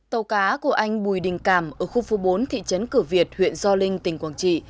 tàu cá của anh bùi đình càm ở khu phố bốn thị trấn cửa việt huyện gio linh tỉnh quảng trị